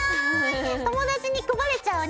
友達に配れちゃうね。